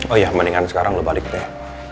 oh iya mendingan sekarang udah balik deh